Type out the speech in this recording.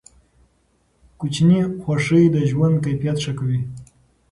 کوچني خوښۍ د ژوند کیفیت ښه کوي.